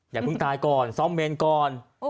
อย่าเพิ่งตายก่อนซ่อมเมนก่อน